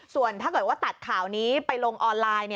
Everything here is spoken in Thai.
ส่วนถ้าเกิดว่าตัดข่าวนี้ไปลงออนไลน์